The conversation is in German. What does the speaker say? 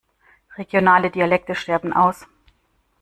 Regionale Dialekte sterben aus.